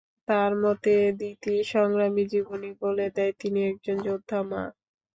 তাঁর মতে, দিতির সংগ্রামী জীবনই বলে দেয় তিনি একজন যোদ্ধা মা।